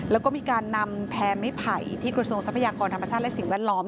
แล้วก็มีการนำแพร่ไม้ไผ่ที่กระทรวงทรัพยากรธรรมชาติและสิ่งแวดล้อม